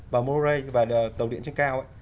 và motorway và tàu điện trên cao